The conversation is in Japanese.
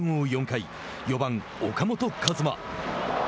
４回４番、岡本和真。